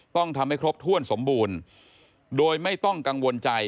ต้องทำให้ครบถ้วนสมบูรณ์โดยไม่ต้องกังวลใจ